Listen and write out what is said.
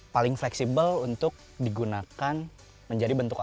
paling fleksibel untuk digunakan menjadi bentuk